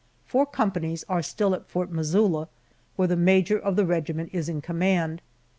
Four companies are still at Fort Missoula, where the major of the regiment is in command.